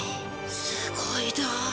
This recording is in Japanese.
すごいだ。